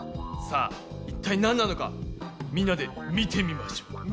さあ一体なんなのかみんなで見てみましょう！